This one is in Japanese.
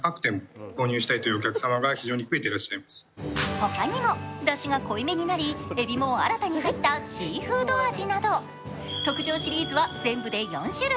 他にもだしが濃いめになりえびも新たに入ったシーフード味など特上シリーズは全部で４種類。